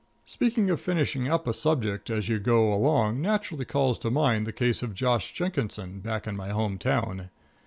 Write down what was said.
_"] Speaking of finishing up a subject as you go along naturally calls to mind the case of Josh Jenkinson, back in my home town.